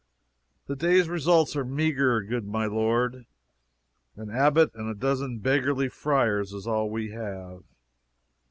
"The day's results are meagre, good my lord. An abbot and a dozen beggarly friars is all we have."